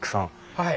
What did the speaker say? はい。